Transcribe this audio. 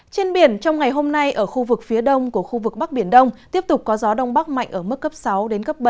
trên biển trong ngày hôm nay ở khu vực phía đông của khu vực bắc biển đông tiếp tục có gió đông bắc mạnh ở mức cấp sáu đến cấp bảy